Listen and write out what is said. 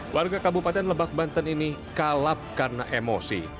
warga kabupaten lebak banten ini kalap karena emosi